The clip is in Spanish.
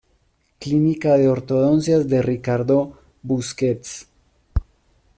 Clínica de Ortodoncia de Ricardo Busquets